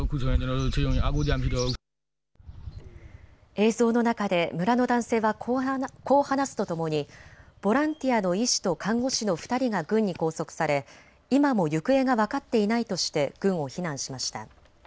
映像の中で村の男性はこう話すとともにボランティアの医師と看護師の２人が軍に拘束され今も行方が分かっていないとして軍を非難しました。